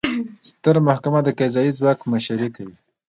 ستره محکمه د قضایي ځواک مشري کوي